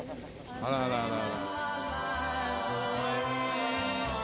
あららら。